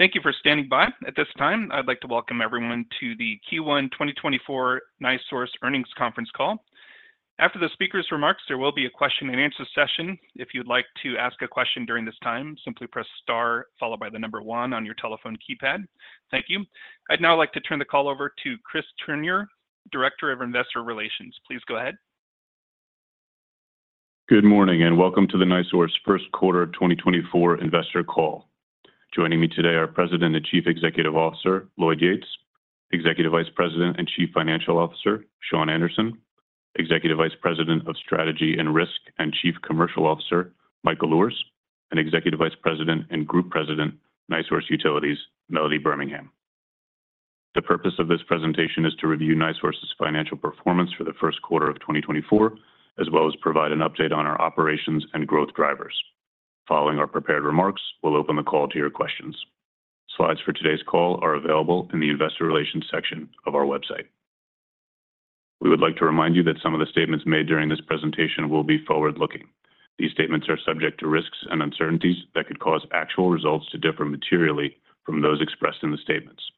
Thank you for standing by. At this time, I'd like to welcome everyone to the Q1 2024 NiSource Earnings Conference call. After the speaker's remarks, there will be a question-and-answer session. If you'd like to ask a question during this time, simply press star followed by the number one on your telephone keypad. Thank you. I'd now like to turn the call over to Chris Turnure, Director of Investor Relations. Please go ahead. Good morning and welcome to the NiSource First Quarter 2024 Investor Call. Joining me today are President and Chief Executive Officer, Lloyd Yates, Executive Vice President and Chief Financial Officer, Shawn Anderson, Executive Vice President of Strategy and Risk and Chief Commercial Officer, Michael Luhrs, and Executive Vice President and Group President NiSource Utilities, Melody Birmingham. The purpose of this presentation is to review NiSource's financial performance for the first quarter of 2024, as well as provide an update on our operations and growth drivers. Following our prepared remarks, we'll open the call to your questions. Slides for today's call are available in the Investor Relations section of our website. We would like to remind you that some of the statements made during this presentation will be forward-looking. These statements are subject to risks and uncertainties that could cause actual results to differ materially from those expressed in the statements.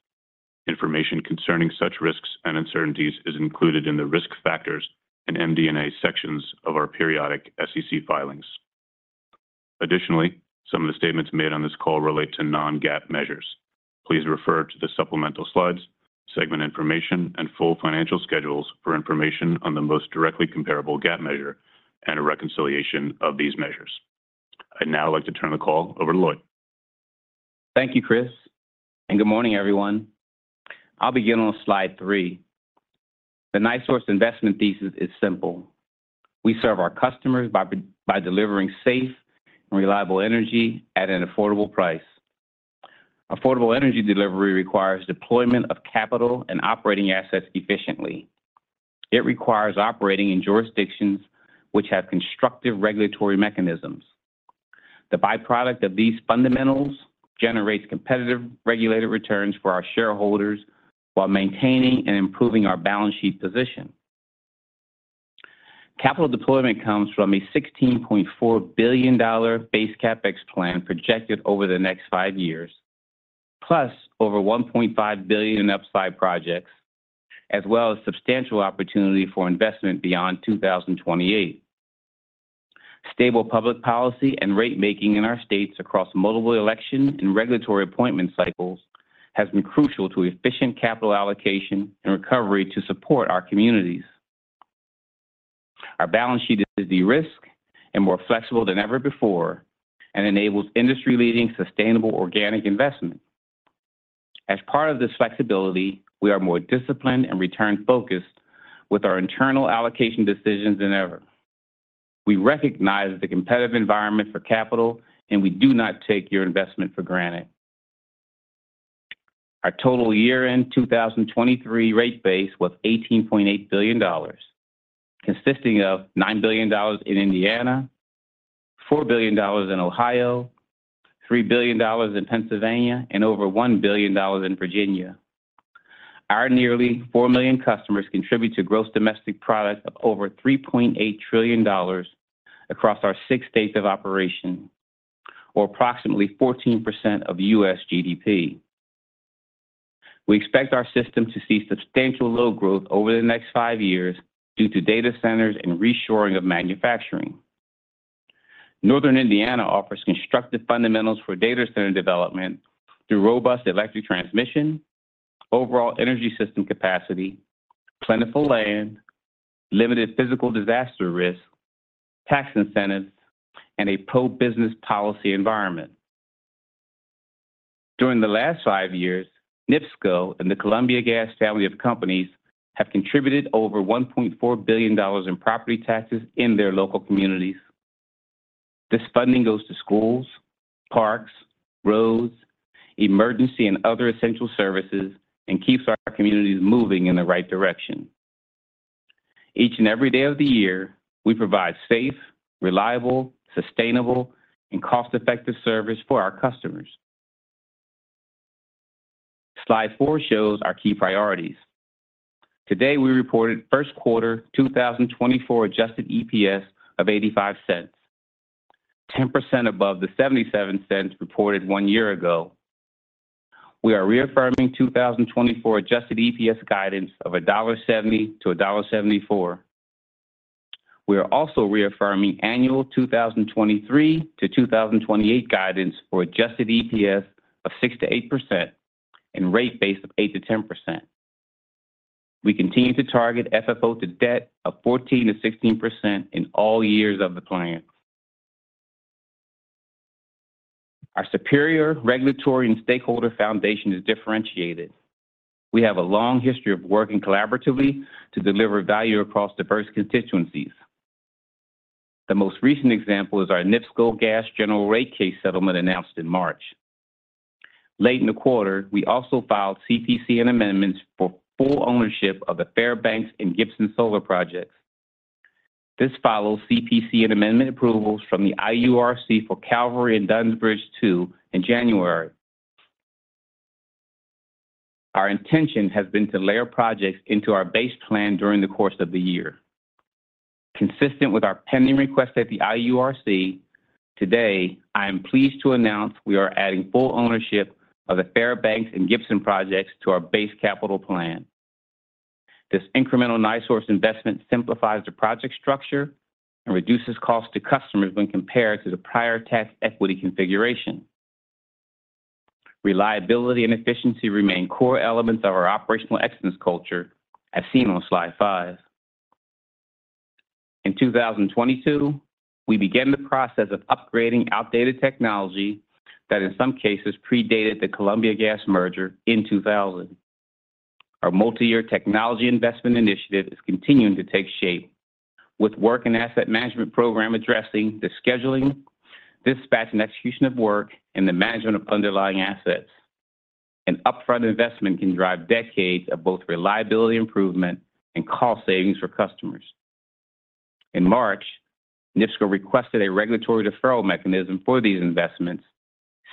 Information concerning such risks and uncertainties is included in the Risk Factors and MD&A sections of our periodic SEC filings. Additionally, some of the statements made on this call relate to non-GAAP measures. Please refer to the supplemental slides, segment information, and full financial schedules for information on the most directly comparable GAAP measure and a reconciliation of these measures. I'd now like to turn the call over to Lloyd. Thank you, Chris, and good morning, everyone. I'll begin on slide three. The NiSource investment thesis is simple. We serve our customers by delivering safe and reliable energy at an affordable price. Affordable energy delivery requires deployment of capital and operating assets efficiently. It requires operating in jurisdictions which have constructive regulatory mechanisms. The byproduct of these fundamentals generates competitive regulated returns for our shareholders while maintaining and improving our balance sheet position. Capital deployment comes from a $16.4 billion base CapEx plan projected over the next five years, plus over $1.5 billion in upside projects, as well as substantial opportunity for investment beyond 2028. Stable public policy and rate making in our states across multiple election and regulatory appointment cycles has been crucial to efficient capital allocation and recovery to support our communities. Our balance sheet is de-risked and more flexible than ever before and enables industry-leading sustainable organic investment. As part of this flexibility, we are more disciplined and return-focused with our internal allocation decisions than ever. We recognize the competitive environment for capital, and we do not take your investment for granted. Our total year-end 2023 rate base was $18.8 billion, consisting of $9 billion in Indiana, $4 billion in Ohio, $3 billion in Pennsylvania, and over $1 billion in Virginia. Our nearly 4 million customers contribute to gross domestic product of over $3.8 trillion across our six states of operation, or approximately 14% of U.S. GDP. We expect our system to see substantial low growth over the next five years due to data centers and reshoring of manufacturing. Northern Indiana offers constructive fundamentals for data center development through robust electric transmission, overall energy system capacity, plentiful land, limited physical disaster risk, tax incentives, and a pro-business policy environment. During the last five years, NIPSCO and the Columbia Gas Family of Companies have contributed over $1.4 billion in property taxes in their local communities. This funding goes to schools, parks, roads, emergency and other essential services, and keeps our communities moving in the right direction. Each and every day of the year, we provide safe, reliable, sustainable, and cost-effective service for our customers. Slide four shows our key priorities. Today, we reported first quarter 2024 adjusted EPS of $0.85, 10% above the $0.77 reported one year ago. We are reaffirming 2024 adjusted EPS guidance of $1.70-$1.74. We are also reaffirming annual 2023-2028 guidance for adjusted EPS of 6%-8% and rate base of 8%-10%. We continue to target FFO to debt of 14%-16% in all years of the plan. Our superior regulatory and stakeholder foundation is differentiated. We have a long history of working collaboratively to deliver value across diverse constituencies. The most recent example is our NIPSCO Gas General Rate Case settlement announced in March. Late in the quarter, we also filed CPCN amendments for full ownership of the Fairbanks and Gibson Solar projects. This follows CPC and amendment approvals from the IURC for Calvary and Dunns Bridge II in January. Our intention has been to layer projects into our base plan during the course of the year. Consistent with our pending request at the IURC, today I am pleased to announce we are adding full ownership of the Fairbanks and Gibson projects to our base capital plan. This incremental NiSource investment simplifies the project structure and reduces costs to customers when compared to the prior tax equity configuration. Reliability and efficiency remain core elements of our operational excellence culture, as seen on slide five. In 2022, we began the process of upgrading outdated technology that in some cases predated the Columbia Gas merger in 2000. Our multi-year technology investment initiative is continuing to take shape, with Work and Asset Management Program addressing the scheduling, dispatch, and execution of work, and the management of underlying assets. An upfront investment can drive decades of both reliability improvement and cost savings for customers. In March, NIPSCO requested a regulatory deferral mechanism for these investments,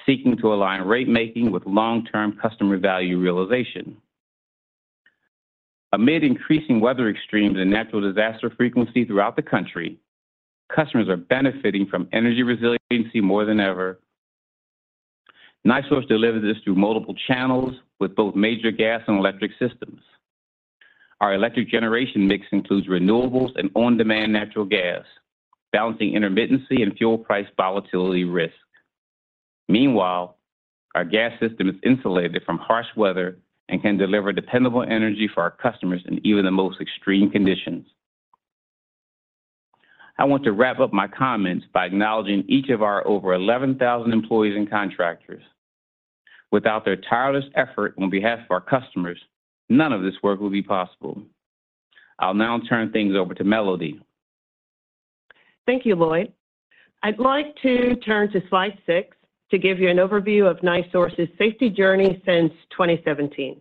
seeking to align rate making with long-term customer value realization. Amid increasing weather extremes and natural disaster frequency throughout the country, customers are benefiting from energy resiliency more than ever. NiSource delivers this through multiple channels with both major gas and electric systems. Our electric generation mix includes renewables and on-demand natural gas, balancing intermittency and fuel price volatility risk. Meanwhile, our gas system is insulated from harsh weather and can deliver dependable energy for our customers in even the most extreme conditions. I want to wrap up my comments by acknowledging each of our over 11,000 employees and contractors. Without their tireless effort on behalf of our customers, none of this work would be possible. I'll now turn things over to Melody. Thank you, Lloyd. I'd like to turn to slide six to give you an overview of NiSource's safety journey since 2017.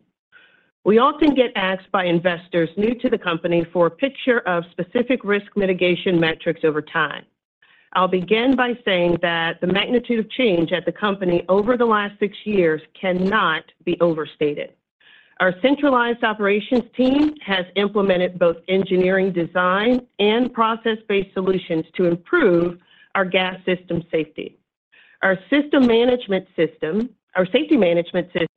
We often get asked by investors new to the company for a picture of specific risk mitigation metrics over time. I'll begin by saying that the magnitude of change at the company over the last six years cannot be overstated. Our centralized operations team has implemented both engineering design and process-based solutions to improve our gas system safety. Our safety management system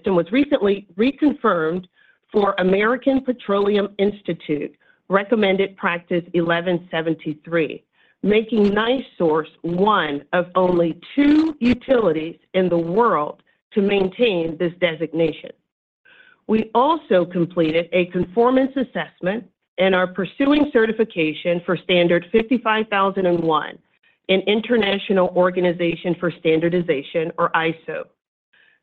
was recently reconfirmed for American Petroleum Institute Recommended Practice 1173, making NiSource one of only two utilities in the world to maintain this designation. We also completed a conformance assessment and are pursuing certification for ISO 55001 from the International Organization for Standardization, or ISO.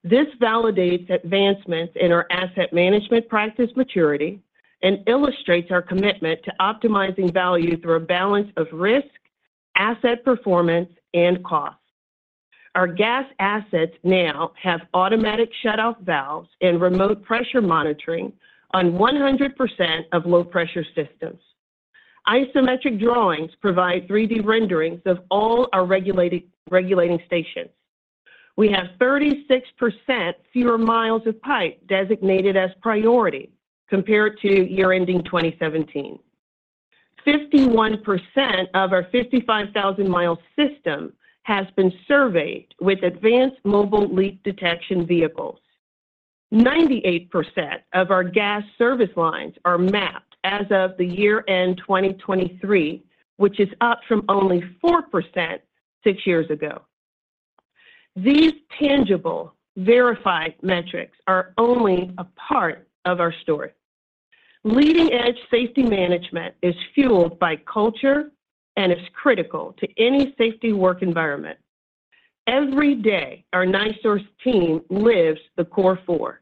This validates advancements in our asset management practice maturity and illustrates our commitment to optimizing value through a balance of risk, asset performance, and cost. Our gas assets now have automatic shutoff valves and remote pressure monitoring on 100% of low-pressure systems. Isometric drawings provide 3D renderings of all our regulating stations. We have 36% fewer miles of pipe designated as priority compared to year-ending 2017. 51% of our 55,000-mile system has been surveyed with advanced mobile leak detection vehicles. 98% of our gas service lines are mapped as of the year-end 2023, which is up from only 4% six years ago. These tangible, verified metrics are only a part of our story. Leading-edge safety management is fueled by culture and is critical to any safety work environment. Every day, our NiSource team lives the Core 4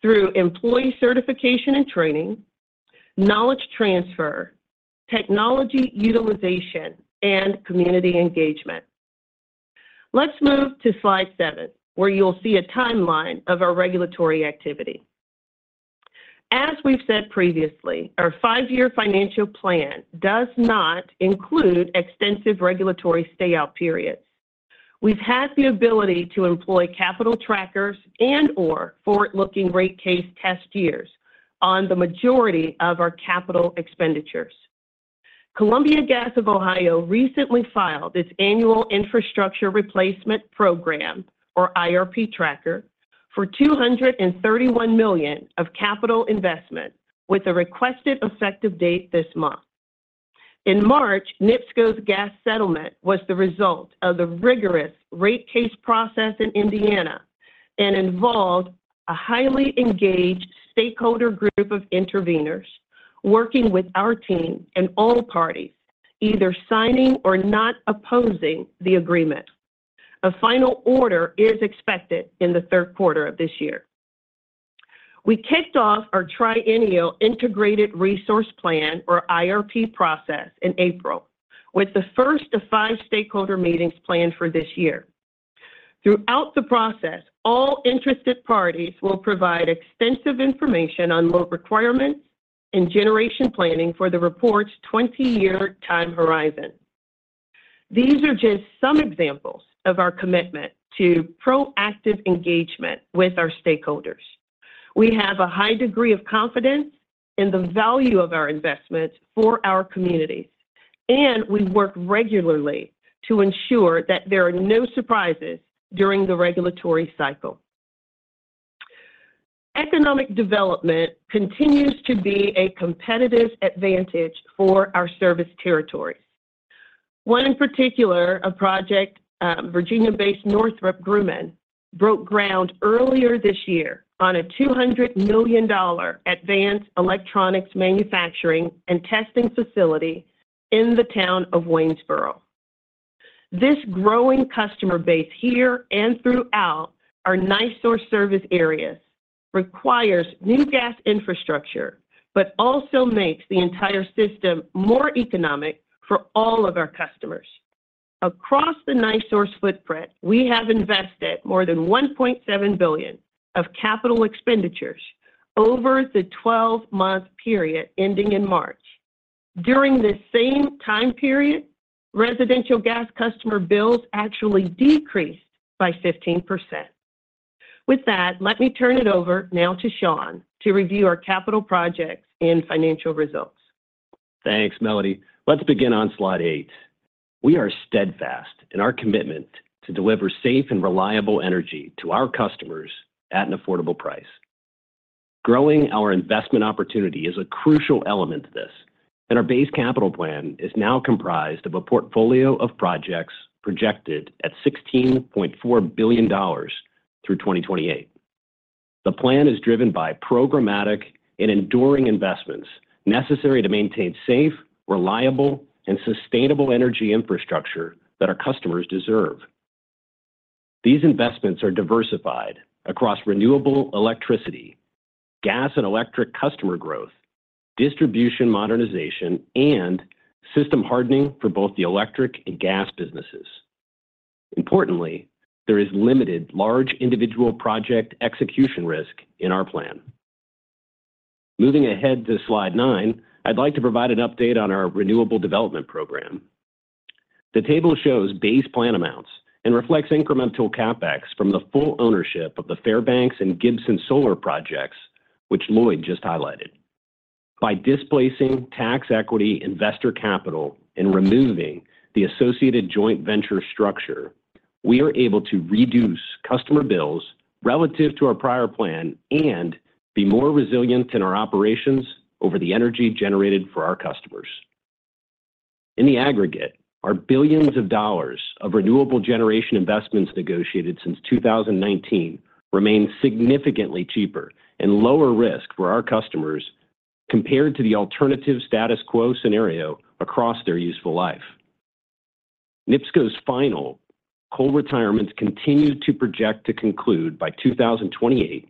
through employee certification and training, knowledge transfer, technology utilization, and community engagement. Let's move to slide seven, where you'll see a timeline of our regulatory activity. As we've said previously, our five-year financial plan does not include extensive regulatory stay-out periods. We've had the ability to employ capital trackers and/or forward-looking rate case test years on the majority of our capital expenditures. Columbia Gas of Ohio recently filed its annual infrastructure replacement program, or IRP tracker, for $231 million of capital investment, with a requested effective date this month. In March, NIPSCO's gas settlement was the result of the rigorous rate case process in Indiana and involved a highly engaged stakeholder group of intervenors working with our team and all parties, either signing or not opposing the agreement. A final order is expected in the third quarter of this year. We kicked off our triennial integrated resource plan, or IRP process, in April, with the first of five stakeholder meetings planned for this year. Throughout the process, all interested parties will provide extensive information on load requirements and generation planning for the report's 20-year time horizon. These are just some examples of our commitment to proactive engagement with our stakeholders. We have a high degree of confidence in the value of our investments for our communities, and we work regularly to ensure that there are no surprises during the regulatory cycle. Economic development continues to be a competitive advantage for our service territories. One in particular, a project Virginia-based Northrop Grumman, broke ground earlier this year on a $200 million advanced electronics manufacturing and testing facility in the town of Waynesboro. This growing customer base here and throughout our NiSource service areas requires new gas infrastructure but also makes the entire system more economic for all of our customers. Across the NiSource footprint, we have invested more than $1.7 billion of capital expenditures over the 12-month period ending in March. During this same time period, residential gas customer bills actually decreased by 15%. With that, let me turn it over now to Shawn to review our capital projects and financial results. Thanks, Melody. Let's begin on slide eight. We are steadfast in our commitment to deliver safe and reliable energy to our customers at an affordable price. Growing our investment opportunity is a crucial element to this, and our base capital plan is now comprised of a portfolio of projects projected at $16.4 billion through 2028. The plan is driven by programmatic and enduring investments necessary to maintain safe, reliable, and sustainable energy infrastructure that our customers deserve. These investments are diversified across renewable electricity, gas and electric customer growth, distribution modernization, and system hardening for both the electric and gas businesses. Importantly, there is limited large individual project execution risk in our plan. Moving ahead to slide nine, I'd like to provide an update on our renewable development program. The table shows base plan amounts and reflects incremental CapEx from the full ownership of the Fairbanks and Gibson Solar projects, which Lloyd just highlighted. By displacing tax equity investor capital and removing the associated joint venture structure, we are able to reduce customer bills relative to our prior plan and be more resilient in our operations over the energy generated for our customers. In the aggregate, our billions of dollars of renewable generation investments negotiated since 2019 remain significantly cheaper and lower risk for our customers compared to the alternative status quo scenario across their useful life. NIPSCO's final coal retirements continue to project to conclude by 2028,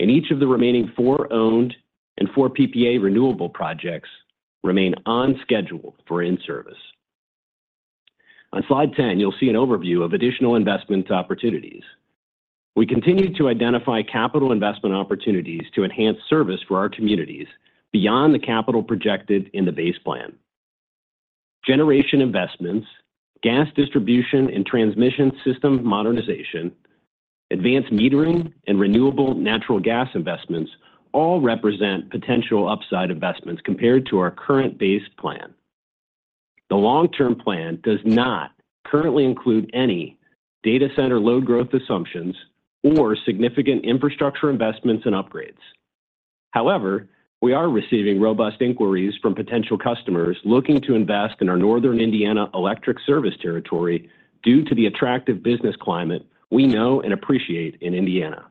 and each of the remaining four owned and four PPA renewable projects remain on schedule for in-service. On slide 10, you'll see an overview of additional investment opportunities. We continue to identify capital investment opportunities to enhance service for our communities beyond the capital projected in the base plan. Generation investments, gas distribution and transmission system modernization, advanced metering, and renewable natural gas investments all represent potential upside investments compared to our current base plan. The long-term plan does not currently include any data center load growth assumptions or significant infrastructure investments and upgrades. However, we are receiving robust inquiries from potential customers looking to invest in our northern Indiana electric service territory due to the attractive business climate we know and appreciate in Indiana.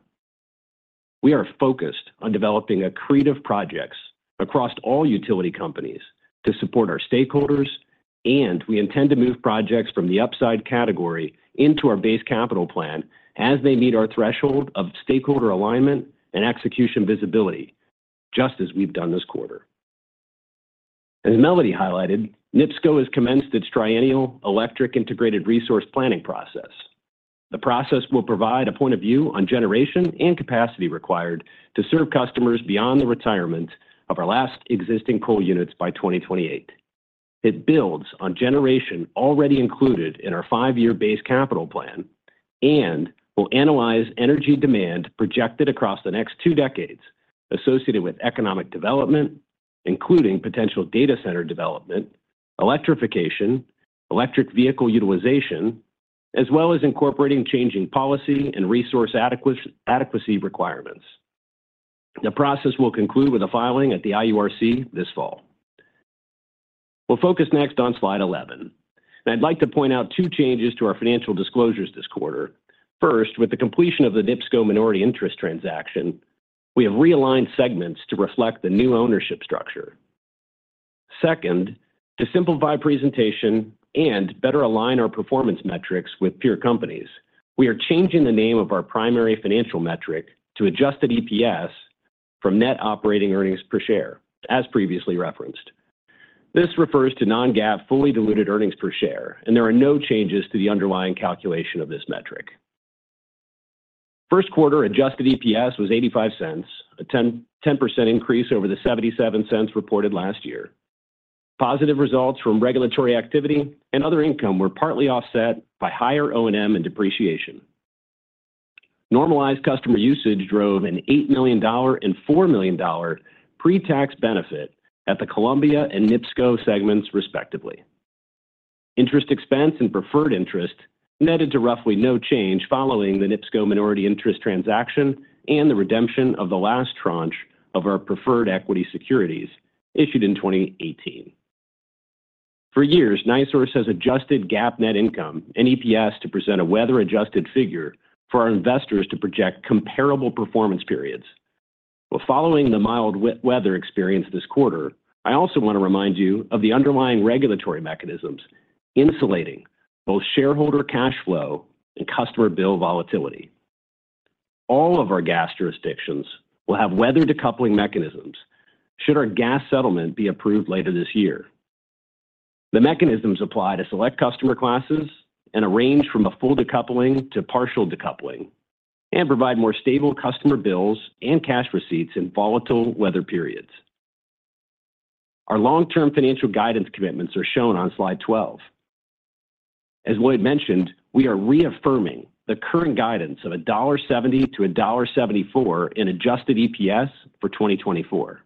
We are focused on developing accretive projects across all utility companies to support our stakeholders, and we intend to move projects from the upside category into our base capital plan as they meet our threshold of stakeholder alignment and execution visibility, just as we've done this quarter. As Melody highlighted, NIPSCO has commenced its triennial electric integrated resource planning process. The process will provide a point of view on generation and capacity required to serve customers beyond the retirement of our last existing coal units by 2028. It builds on generation already included in our five-year base capital plan and will analyze energy demand projected across the next two decades associated with economic development, including potential data center development, electrification, electric vehicle utilization, as well as incorporating changing policy and resource adequacy requirements. The process will conclude with a filing at the IURC this fall. We'll focus next on slide 11, and I'd like to point out two changes to our financial disclosures this quarter. First, with the completion of the NIPSCO minority interest transaction, we have realigned segments to reflect the new ownership structure. Second, to simplify presentation and better align our performance metrics with peer companies, we are changing the name of our primary financial metric to adjusted EPS from net operating earnings per share, as previously referenced. This refers to non-GAAP fully diluted earnings per share, and there are no changes to the underlying calculation of this metric. First quarter adjusted EPS was $0.85, a 10% increase over the $0.77 reported last year. Positive results from regulatory activity and other income were partly offset by higher O&M and depreciation. Normalized customer usage drove an $8 million and $4 million pre-tax benefit at the Columbia and NIPSCO segments, respectively. Interest expense and preferred interest netted to roughly no change following the NIPSCO minority interest transaction and the redemption of the last tranche of our preferred equity securities issued in 2018. For years, NiSource has adjusted GAAP net income and EPS to present a weather-adjusted figure for our investors to project comparable performance periods. While following the mild weather experience this quarter, I also want to remind you of the underlying regulatory mechanisms insulating both shareholder cash flow and customer bill volatility. All of our gas jurisdictions will have weather decoupling mechanisms should our gas settlement be approved later this year. The mechanisms apply to select customer classes and a range from a full decoupling to partial decoupling and provide more stable customer bills and cash receipts in volatile weather periods. Our long-term financial guidance commitments are shown on slide 12. As Lloyd mentioned, we are reaffirming the current guidance of $1.70-$1.74 in adjusted EPS for 2024.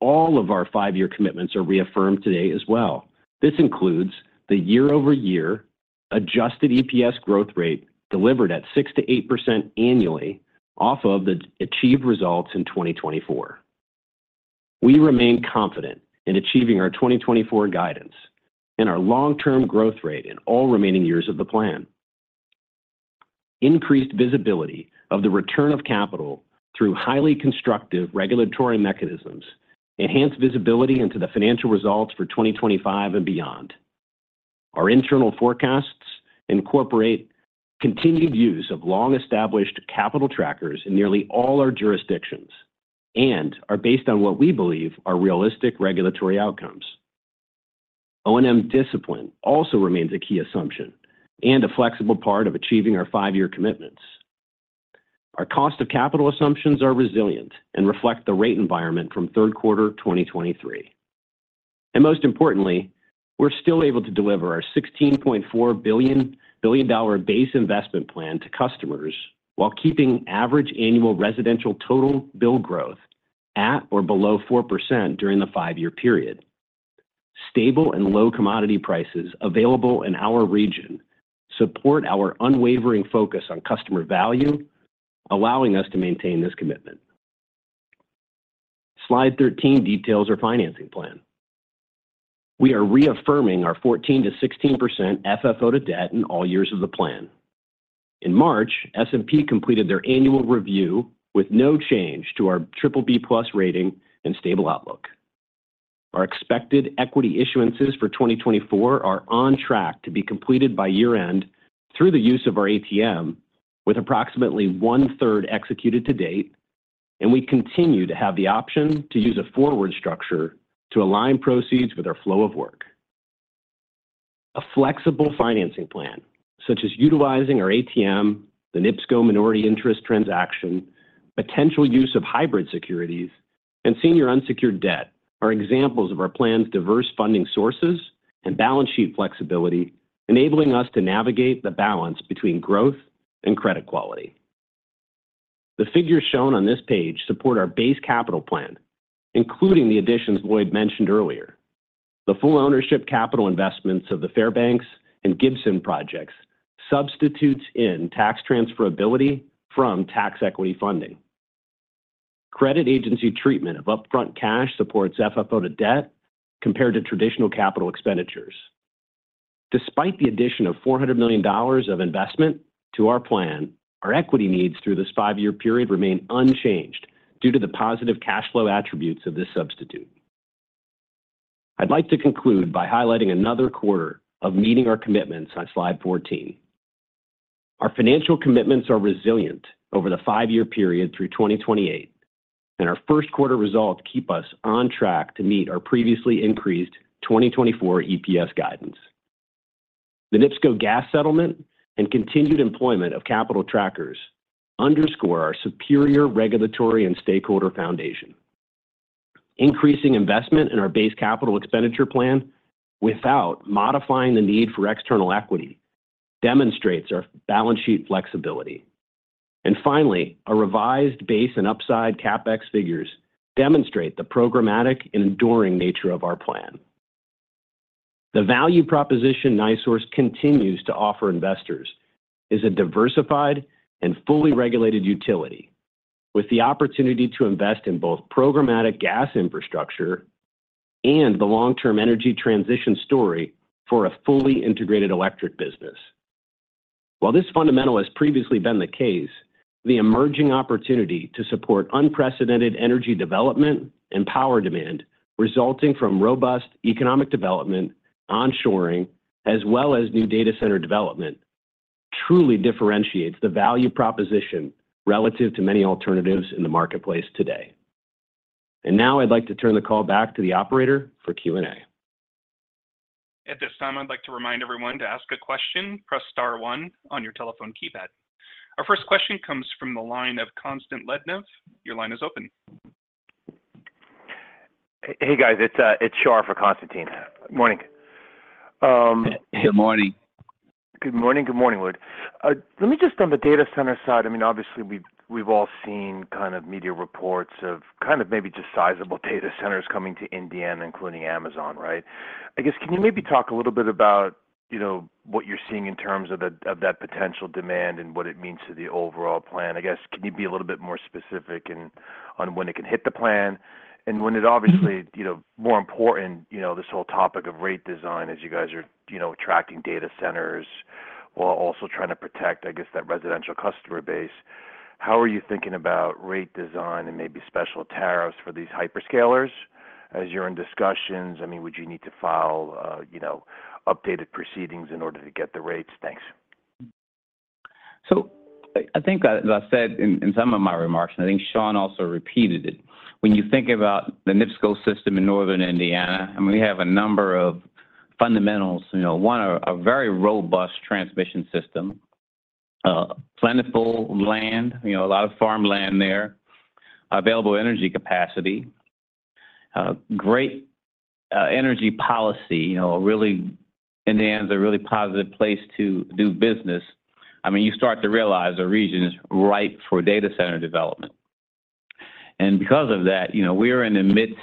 All of our five-year commitments are reaffirmed today as well. This includes the year-over-year adjusted EPS growth rate delivered at 6%-8% annually off of the achieved results in 2024. We remain confident in achieving our 2024 guidance and our long-term growth rate in all remaining years of the plan. Increased visibility of the return of capital through highly constructive regulatory mechanisms enhance visibility into the financial results for 2025 and beyond. Our internal forecasts incorporate continued use of long-established capital trackers in nearly all our jurisdictions and are based on what we believe are realistic regulatory outcomes. O&M discipline also remains a key assumption and a flexible part of achieving our five-year commitments. Our cost of capital assumptions are resilient and reflect the rate environment from third quarter 2023. Most importantly, we're still able to deliver our $16.4 billion base investment plan to customers while keeping average annual residential total bill growth at or below 4% during the five-year period. Stable and low commodity prices available in our region support our unwavering focus on customer value, allowing us to maintain this commitment. Slide 13 details our financing plan. We are reaffirming our 14%-16% FFO to debt in all years of the plan. In March, S&P completed their annual review with no change to our BBB+ rating and stable outlook. Our expected equity issuances for 2024 are on track to be completed by year-end through the use of our ATM, with approximately one-third executed to date, and we continue to have the option to use a forward structure to align proceeds with our flow of work. A flexible financing plan, such as utilizing our ATM, the NIPSCO minority interest transaction, potential use of hybrid securities, and senior unsecured debt, are examples of our plan's diverse funding sources and balance sheet flexibility, enabling us to navigate the balance between growth and credit quality. The figures shown on this page support our base capital plan, including the additions Lloyd mentioned earlier. The full ownership capital investments of the Fairbanks and Gibson projects substitutes in tax transferability from tax equity funding. Credit agency treatment of upfront cash supports FFO to debt compared to traditional capital expenditures. Despite the addition of $400 million of investment to our plan, our equity needs through this five-year period remain unchanged due to the positive cash flow attributes of this substitute. I'd like to conclude by highlighting another quarter of meeting our commitments on slide 14. Our financial commitments are resilient over the five-year period through 2028, and our first quarter results keep us on track to meet our previously increased 2024 EPS guidance. The NIPSCO gas settlement and continued employment of capital trackers underscore our superior regulatory and stakeholder foundation. Increasing investment in our base capital expenditure plan without modifying the need for external equity demonstrates our balance sheet flexibility. Finally, our revised base and upside CapEx figures demonstrate the programmatic and enduring nature of our plan. The value proposition NiSource continues to offer investors is a diversified and fully regulated utility with the opportunity to invest in both programmatic gas infrastructure and the long-term energy transition story for a fully integrated electric business. While this fundamental has previously been the case, the emerging opportunity to support unprecedented energy development and power demand resulting from robust economic development, reshoring, as well as new data center development truly differentiates the value proposition relative to many alternatives in the marketplace today. And now I'd like to turn the call back to the operator for Q&A. At this time, I'd like to remind everyone to ask a question. Press star one on your telephone keypad. Our first question comes from the line of Constantine Lednev. Your line is open. Hey, guys. It's Shar for Constantine. Morning. Good morning. Good morning. Good morning, Lloyd. Let me just on the data center side. I mean, obviously, we've all seen kind of media reports of kind of maybe just sizable data centers coming to Indiana, including Amazon, right? I guess, can you maybe talk a little bit about what you're seeing in terms of that potential demand and what it means to the overall plan? I guess, can you be a little bit more specific on when it can hit the plan? And when it obviously more important, this whole topic of rate design as you guys are attracting data centers while also trying to protect, I guess, that residential customer base, how are you thinking about rate design and maybe special tariffs for these hyperscalers? As you're in discussions, I mean, would you need to file updated proceedings in order to get the rates? Thanks. So I think that I said in some of my remarks, and I think Shawn also repeated it. When you think about the NIPSCO system in Northern Indiana, I mean, we have a number of fundamentals. One, a very robust transmission system, plentiful land, a lot of farmland there, available energy capacity, great energy policy. Really, Indiana's a really positive place to do business. I mean, you start to realize the region is ripe for data center development. And because of that, we are in the midst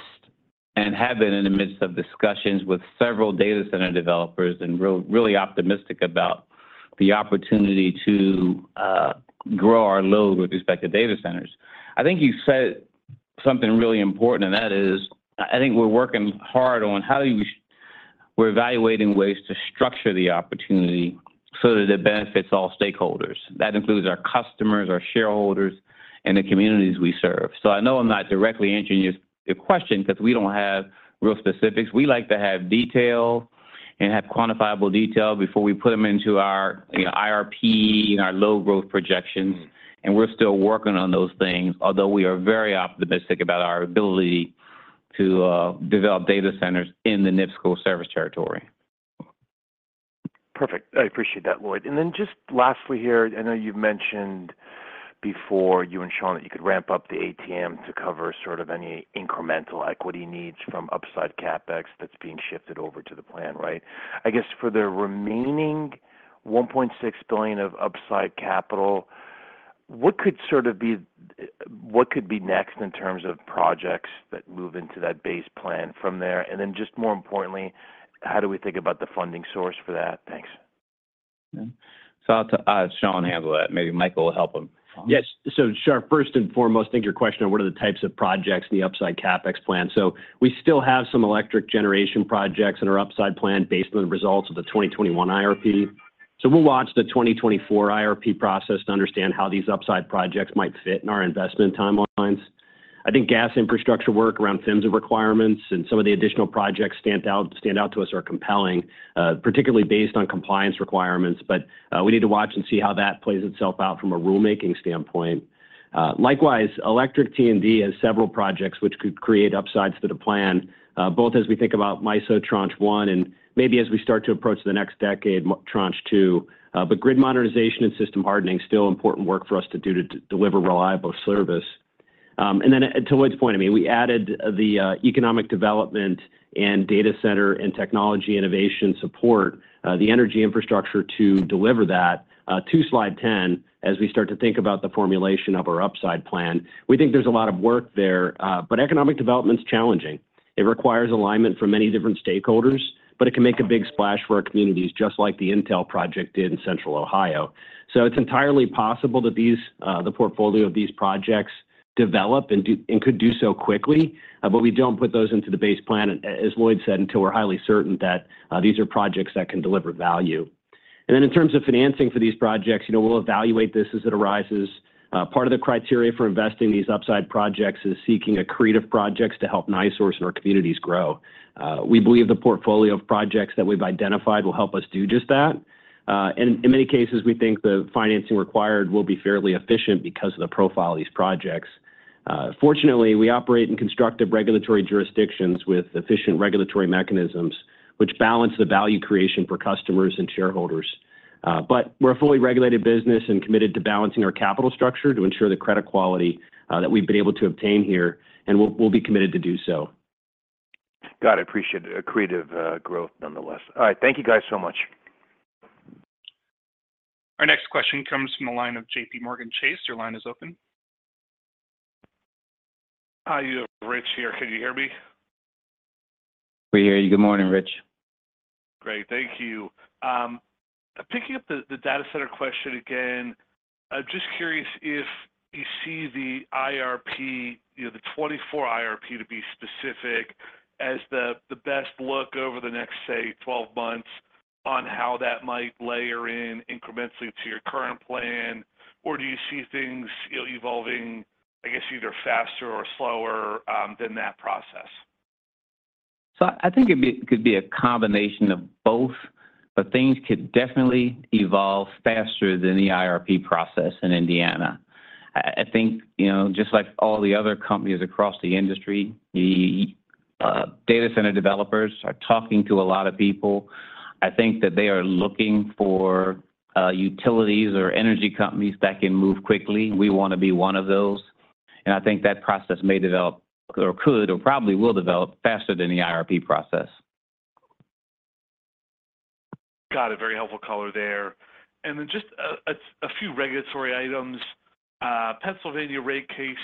and have been in the midst of discussions with several data center developers and really optimistic about the opportunity to grow our load with respect to data centers. I think you said something really important, and that is I think we're working hard on how do we we're evaluating ways to structure the opportunity so that it benefits all stakeholders. That includes our customers, our shareholders, and the communities we serve. So I know I'm not directly answering your question because we don't have real specifics. We like to have detail and have quantifiable detail before we put them into our IRP and our low-growth projections. And we're still working on those things, although we are very optimistic about our ability to develop data centers in the NIPSCO service territory. Perfect. I appreciate that, Lloyd. And then just lastly here, I know you've mentioned before, you and Shawn, that you could ramp up the ATM to cover sort of any incremental equity needs from upside CapEx that's being shifted over to the plan, right? I guess for the remaining $1.6 billion of upside capital, what could sort of be next in terms of projects that move into that base plan from there? And then just more importantly, how do we think about the funding source for that? Thanks. So I'll have Shawn handle that. Maybe Michael will help him. Yes. So Shar, first and foremost, I think your question on what are the types of projects in the upside CapEx plan. So we still have some electric generation projects in our upside plan based on the results of the 2021 IRP. So we'll watch the 2024 IRP process to understand how these upside projects might fit in our investment timelines. I think gas infrastructure work around PHMSA requirements and some of the additional projects stand out to us are compelling, particularly based on compliance requirements. But we need to watch and see how that plays itself out from a rulemaking standpoint. Likewise, electric T&D has several projects which could create upsides to the plan, both as we think about MISO tranche one and maybe as we start to approach the next decade, Tranche Two. But grid modernization and system hardening is still important work for us to do to deliver reliable service. And then to Lloyd's point, I mean, we added the economic development and data center and technology innovation support, the energy infrastructure to deliver that to slide 10 as we start to think about the formulation of our upside plan. We think there's a lot of work there, but economic development is challenging. It requires alignment from many different stakeholders, but it can make a big splash for our communities, just like the Intel project did in central Ohio. So it's entirely possible that the portfolio of these projects develop and could do so quickly, but we don't put those into the base plan, as Lloyd said, until we're highly certain that these are projects that can deliver value. And then in terms of financing for these projects, we'll evaluate this as it arises. Part of the criteria for investing these upside projects is seeking creative projects to help NiSource and our communities grow. We believe the portfolio of projects that we've identified will help us do just that. And in many cases, we think the financing required will be fairly efficient because of the profile of these projects. Fortunately, we operate in constructive regulatory jurisdictions with efficient regulatory mechanisms which balance the value creation for customers and shareholders. But we're a fully regulated business and committed to balancing our capital structure to ensure the credit quality that we've been able to obtain here, and we'll be committed to do so. Got it. Appreciate the creative growth nonetheless. All right. Thank you guys so much. Our next question comes from the line of JPMorgan Chase. Your line is open. Hi, Rich here. Can you hear me? We hear you. Good morning, Rich. Great. Thank you. Picking up the data center question again, I'm just curious if you see the IRP, the 2024 IRP to be specific, as the best look over the next, say, 12 months on how that might layer in incrementally to your current plan, or do you see things evolving, I guess, either faster or slower than that process? So I think it could be a combination of both, but things could definitely evolve faster than the IRP process in Indiana. I think just like all the other companies across the industry, data center developers are talking to a lot of people. I think that they are looking for utilities or energy companies that can move quickly. We want to be one of those. I think that process may develop or could or probably will develop faster than the IRP process. Got it. Very helpful color there. Then just a few regulatory items. Pennsylvania rate case,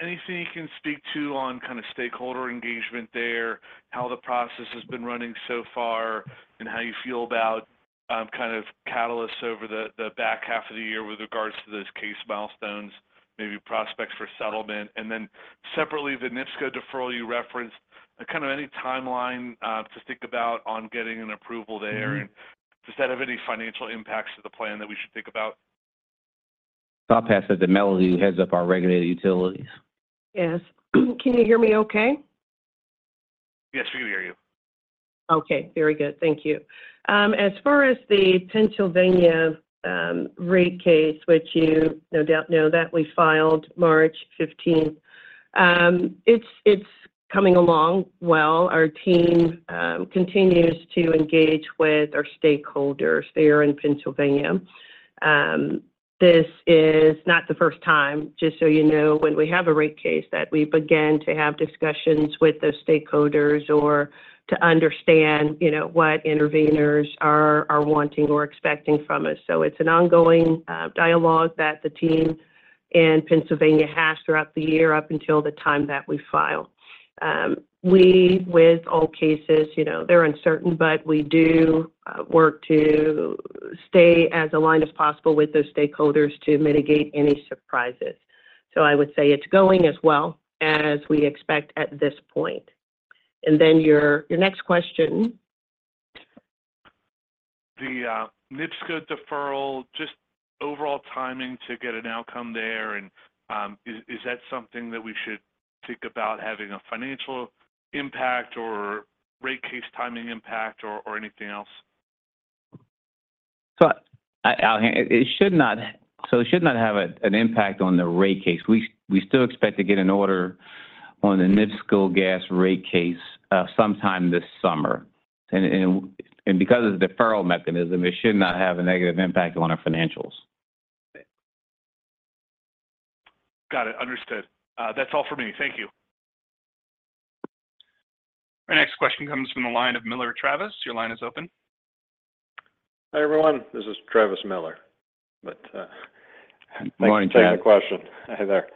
anything you can speak to on kind of stakeholder engagement there, how the process has been running so far, and how you feel about kind of catalysts over the back half of the year with regards to those case milestones, maybe prospects for settlement. And then separately, the NIPSCO deferral you referenced, kind of any timeline to think about on getting an approval there? And does that have any financial impacts to the plan that we should think about? I'll pass it to Melody who heads up our regulated utilities. Yes. Can you hear me okay? Yes, we can hear you. Okay. Very good. Thank you. As far as the Pennsylvania rate case, which you no doubt know that we filed March 15th, it's coming along well. Our team continues to engage with our stakeholders. They are in Pennsylvania. This is not the first time, just so you know, when we have a rate case that we begin to have discussions with those stakeholders or to understand what intervenors are wanting or expecting from us. So it's an ongoing dialogue that the team in Pennsylvania has throughout the year up until the time that we file. We, with all cases, they're uncertain, but we do work to stay as aligned as possible with those stakeholders to mitigate any surprises. So I would say it's going as well as we expect at this point. And then your next question. The NIPSCO deferral, just overall timing to get an outcome there, and is that something that we should think about having a financial impact or rate case timing impact or anything else? So it should not have an impact on the rate case. We still expect to get an order on the NIPSCO gas rate case sometime this summer. And because of the deferral mechanism, it should not have a negative impact on our financials. Got it. Understood. That's all for me. Thank you. Our next question comes from the line of Travis Miller. Your line is open. Hi, everyone. This is Travis Miller. Morning. I'm taking the question. Hi there.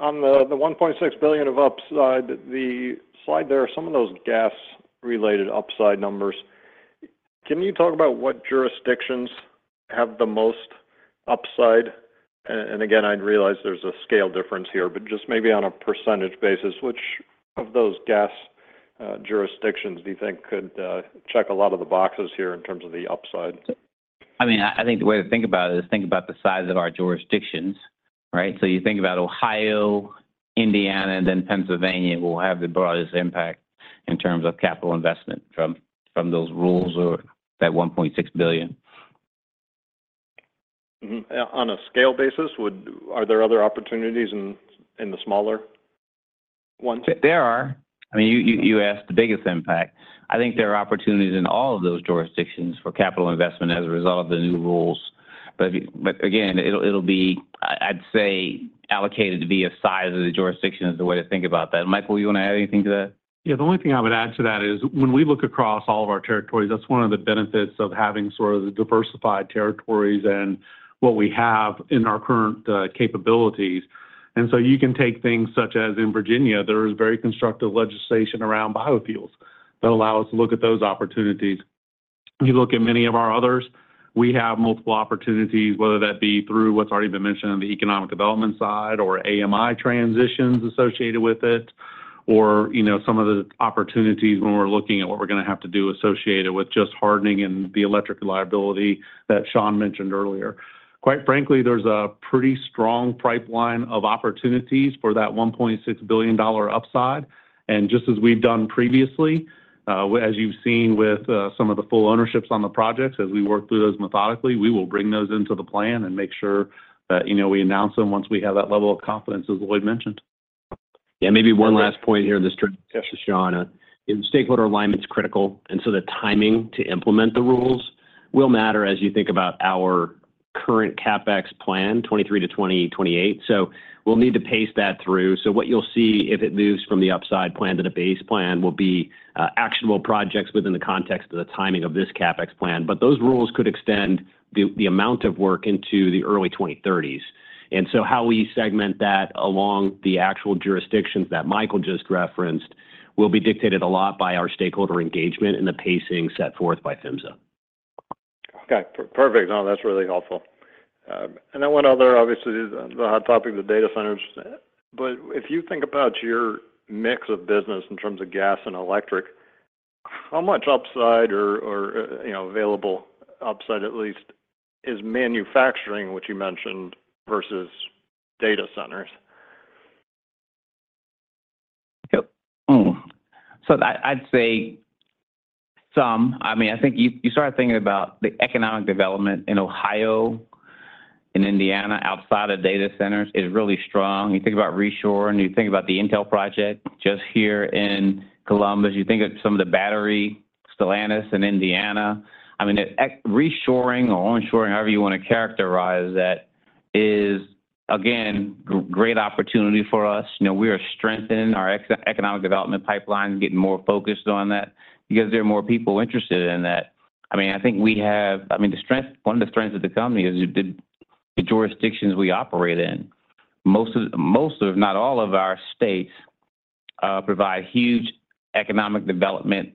On the $1.6 billion of upside, the slide there, some of those gas-related upside numbers, can you talk about what jurisdictions have the most upside? Again, I'd realize there's a scale difference here, but just maybe on a percentage basis, which of those gas jurisdictions do you think could check a lot of the boxes here in terms of the upside? I mean, I think the way to think about it is think about the size of our jurisdictions, right? So you think about Ohio, Indiana, and then Pennsylvania will have the broadest impact in terms of capital investment from those rules or that $1.6 billion. On a scale basis, are there other opportunities in the smaller ones? There are. I mean, you asked the biggest impact. I think there are opportunities in all of those jurisdictions for capital investment as a result of the new rules. But again, it'll be, I'd say, allocated via size of the jurisdiction is the way to think about that. Michael, you want to add anything to that? Yeah. The only thing I would add to that is when we look across all of our territories, that's one of the benefits of having sort of the diversified territories and what we have in our current capabilities. And so you can take things such as in Virginia, there is very constructive legislation around biofuels that allow us to look at those opportunities. If you look at many of our others, we have multiple opportunities, whether that be through what's already been mentioned on the economic development side or AMI transitions associated with it or some of the opportunities when we're looking at what we're going to have to do associated with just hardening and the electric reliability that Shawn mentioned earlier. Quite frankly, there's a pretty strong pipeline of opportunities for that $1.6 billion upside. Just as we've done previously, as you've seen with some of the full ownerships on the projects, as we work through those methodically, we will bring those into the plan and make sure that we announce them once we have that level of confidence, as Lloyd mentioned. Yeah. Maybe one last point here in this discussion, Sean. Stakeholder alignment is critical. And so the timing to implement the rules will matter as you think about our current CapEx plan, 2023-2028. So we'll need to pace that through. So what you'll see if it moves from the upside plan to the base plan will be actionable projects within the context of the timing of this CapEx plan. But those rules could extend the amount of work into the early 2030s. And so how we segment that along the actual jurisdictions that Michael just referenced will be dictated a lot by our stakeholder engagement and the pacing set forth by PHMSA. Okay. Perfect. No, that's really helpful. And then one other, obviously, the hot topic, the data centers. But if you think about your mix of business in terms of gas and electric, how much upside or available upside, at least, is manufacturing, which you mentioned, versus data centers? Yep. So I'd say some. I mean, I think you start thinking about the economic development in Ohio and Indiana outside of data centers is really strong. You think about Reshoring. You think about the Intel project just here in Columbus. You think of some of the battery, Stellantis in Indiana. I mean, Reshoring or Onshoring, however you want to characterize that is, again, great opportunity for us. We are strengthening our economic development pipelines, getting more focused on that because there are more people interested in that. I mean, I think we have. I mean, one of the strengths of the company is the jurisdictions we operate in. Most of, if not all, of our states provide huge economic development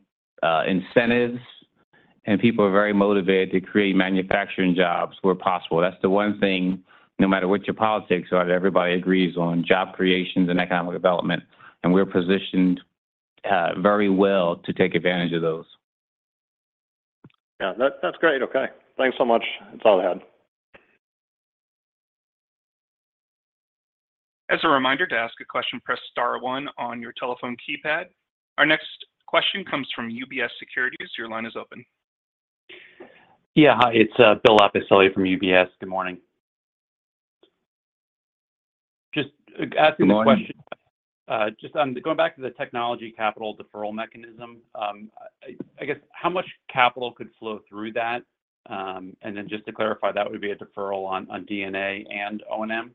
incentives, and people are very motivated to create manufacturing jobs where possible. That's the one thing, no matter what your politics are, that everybody agrees on, job creations and economic development. And we're positioned very well to take advantage of those. Yeah. That's great. Okay. Thanks so much. That's all I had. As a reminder to ask a question, press star one on your telephone keypad. Our next question comes from UBS Securities. Your line is open. Yeah. Hi. It's Bill Appicelli from UBS. Good morning. Just ask him a question. Good morning. Just going back to the technology capital deferral mechanism, I guess, how much capital could flow through that? And then just to clarify, that would be a deferral on D&A and O&M?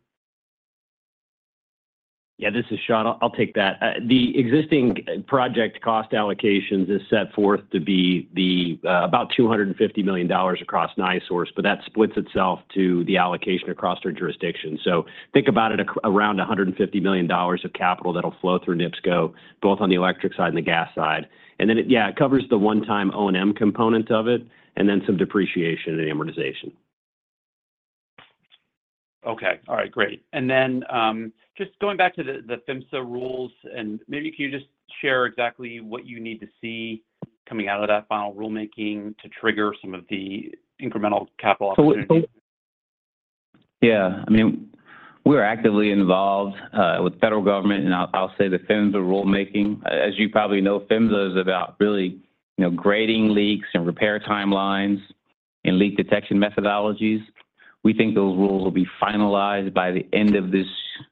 Yeah. This is Shawn. I'll take that. The existing project cost allocations is set forth to be about $250 million across NiSource, but that splits itself to the allocation across our jurisdiction. So think about it around $150 million of capital that'll flow through NIPSCO, both on the electric side and the gas side. And then, yeah, it covers the one-time O&M component of it and then some depreciation and amortization. Okay. All right. Great. And then just going back to the PHMSA rules, and maybe can you just share exactly what you need to see coming out of that final rulemaking to trigger some of the incremental capital opportunities? Yeah. I mean, we are actively involved with federal government, and I'll say the PHMSA rulemaking. As you probably know, PHMSA is about really grading leaks and repair timelines and leak detection methodologies. We think those rules will be finalized by the end of this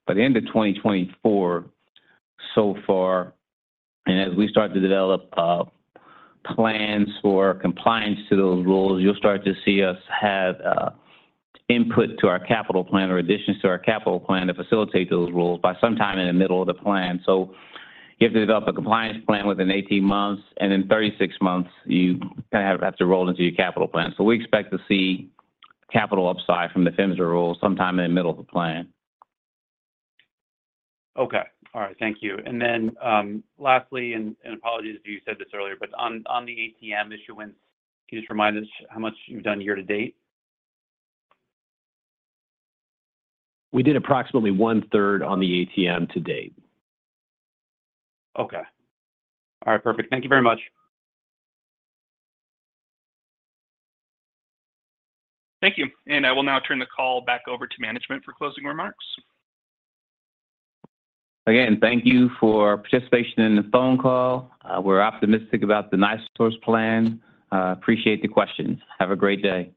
by the end of 2024 so far. And as we start to develop plans for compliance to those rules, you'll start to see us have input to our capital plan or additions to our capital plan to facilitate those rules by sometime in the middle of the plan. So you have to develop a compliance plan within 18 months, and in 36 months, you kind of have to roll into your capital plan. So we expect to see capital upside from the PHMSA rules sometime in the middle of the plan. Okay. All right. Thank you. And then lastly, and apologies if you said this earlier, but on the ATM issuance, can you just remind us how much you've done year to date? We did approximately one-third on the ATM to date. Okay. All right. Perfect. Thank you very much. Thank you. And I will now turn the call back over to management for closing remarks. Again, thank you for participation in the phone call. We're optimistic about the NiSource plan. Appreciate the questions. Have a great day.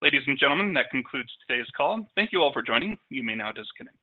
Ladies and gentlemen, that concludes today's call. Thank you all for joining. You may now disconnect.